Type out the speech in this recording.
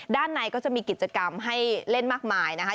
ด้านในก็จะมีกิจกรรมให้เล่นมากมายนะคะ